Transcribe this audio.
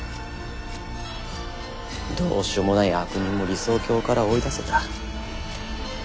どうしようもない悪人も理想郷から追い出せた。